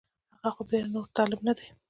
هغه خو بیا نور طالب نه دی